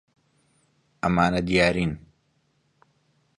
ئەمانە دیارین.